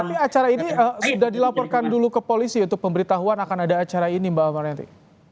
tapi acara ini sudah dilaporkan dulu ke polisi untuk pemberitahuan akan ada acara ini mbak alvana nanti